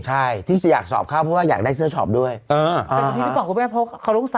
ใช่ที่จะอยากสอบเข้าเพราะว่าอยากได้เสื้อชอบด้วยเอออ่าฮะเพราะเขาต้องใส่